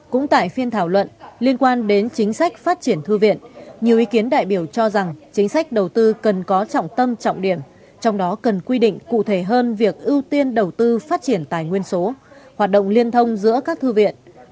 cũng tại phiên thảo luận liên quan đến chính sách phát triển thư viện nhiều ý kiến đại biểu cho rằng chính sách đầu tư cần có trọng tâm trọng điểm trong đó cần quy định cụ thể hơn việc ưu tiên đầu tư phát triển tài nguyên số hoạt động liên thông giữa các thư viện